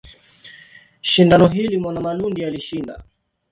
Shindano hili Mwanamalundi alishinda.